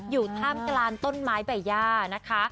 อยู่ท่ามกลางต้นไม้ใบย่านะคะ